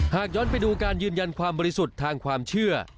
หากย้อนไปดูการยืนยันความบริสุทธิ์ทางความเชื่อ